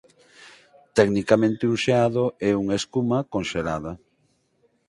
Tecnicamente un xeado é unha escuma conxelada.